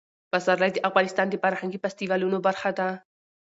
پسرلی د افغانستان د فرهنګي فستیوالونو برخه ده.